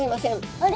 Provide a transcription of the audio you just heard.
あれ？